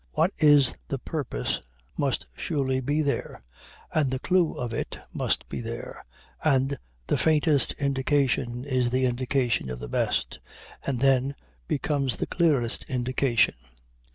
What is the purpose must surely be there, and the clew of it must be there and the faintest indication is the indication of the best, and then becomes the clearest indication.